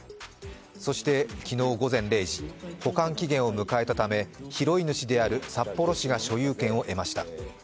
そして、昨日午前０時保管期限を迎えたため拾い主である札幌市が所有権を得ました。